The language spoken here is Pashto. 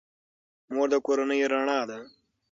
مور د کورنۍ رڼا ده.